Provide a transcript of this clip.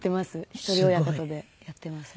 一人親方でやっていますね。